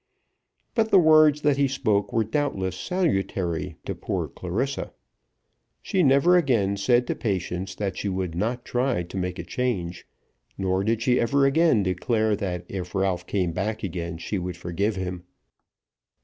But the words that he spoke were doubtless salutary to poor Clarissa. She never again said to Patience that she would not try to make a change, nor did she ever again declare that if Ralph came back again she would forgive him.